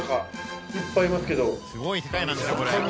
「すごい世界なんですよこれ」